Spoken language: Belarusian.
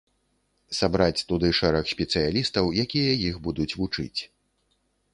Сабраць туды шэраг спецыялістаў, якія іх будуць вучыць.